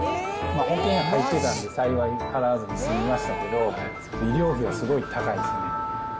保険入ってたんで、幸い払わずに済みましたけど、医療費はすごい高いですね。